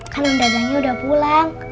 kan undang undangnya udah pulang